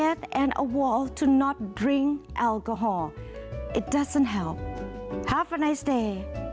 อาหารที่ไม่ได้ชัดไม่ได้ช่วยอากาศไม่มีช่วย